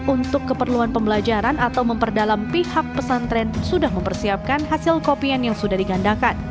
untuk keperluan pembelajaran atau memperdalam pihak pesantren sudah mempersiapkan hasil kopian yang sudah digandakan